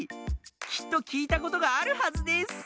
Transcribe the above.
きっときいたことがあるはずです。